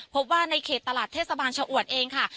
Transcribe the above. พบว่าในเขตตลาดเทศบาลชะอวดเองค่ะ